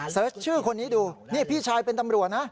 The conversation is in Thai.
ชื่อคนนี้ดูนี่พี่ชายเป็นตำรวจนะ